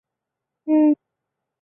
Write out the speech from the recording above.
日本关西地区的主要国内线机场。